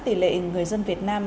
tỷ lệ người dân việt nam